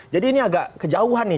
jadi ini agak kejauhan nih